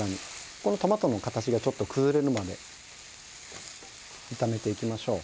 このトマトの形がちょっと崩れるまで炒めていきましょう。